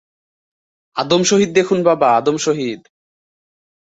আদম শহীদ দেখুন বাবা আদম শহীদ।